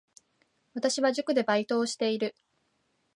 私は塾でバイトをしている